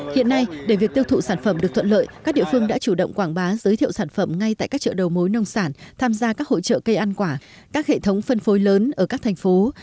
hiện nay để việc tiêu thụ sản phẩm được thuận lợi các địa phương đã chủ động quảng bá giới thiệu sản phẩm ngay tại các chợ đầu mối nông sản tham gia các hỗ trợ cây ăn quả các hệ thống phân phối lớn ở các thành phố